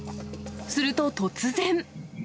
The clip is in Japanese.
すると突然。